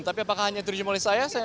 tapi apakah hanya ditujui oleh saya